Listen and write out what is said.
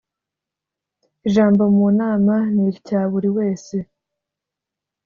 ijambo mu nama nityaburiwese.